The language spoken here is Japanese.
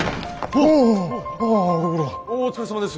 おお疲れさまです！